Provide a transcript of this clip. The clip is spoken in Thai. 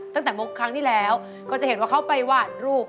ตั้งแต่ครั้งที่แล้วก็จะเห็นว่าเขาไปวาดรูป